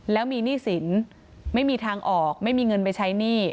แล้วมีหนี้สินไม่มีทางออกไม่มีเงินไปใช้หนี้